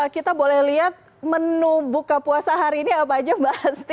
kita boleh lihat menu buka puasa hari ini apa aja mbak asti